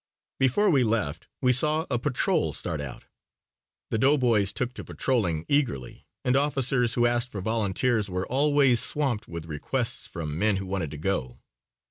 Before we left we saw a patrol start out. The doughboys took to patrolling eagerly and officers who asked for volunteers were always swamped with requests from men who wanted to go.